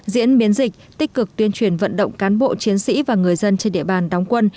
diễn biến dịch tích cực tuyên truyền vận động cán bộ chiến sĩ và người dân trên địa bàn đóng quân